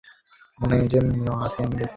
মনে জেন যে, আমি গেছি।